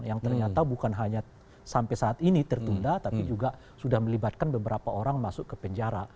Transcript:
yang ternyata bukan hanya sampai saat ini tertunda tapi juga sudah melibatkan beberapa orang masuk ke penjara